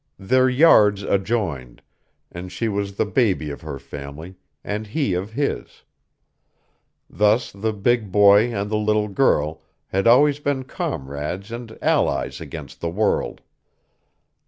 Their yards adjoined; and she was the baby of her family, and he of his. Thus the big boy and the little girl had always been comrades and allies against the world.